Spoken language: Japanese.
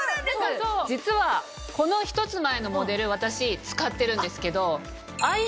実はこの一つ前のモデル私使ってるんですけど。